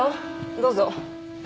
どうぞ。